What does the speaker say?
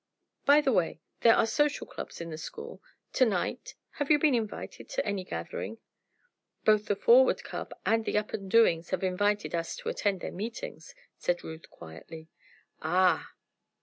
"By the way, there are social clubs in the school. To night have you been invited to any gathering?" "Both the Forward Club and the Up and Doings have invited us to attend their meetings," said Ruth, quietly. "Ah!"